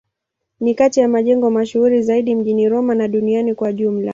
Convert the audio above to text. Ni kati ya majengo mashuhuri zaidi mjini Roma na duniani kwa ujumla.